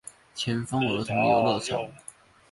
前峰兒童遊戲場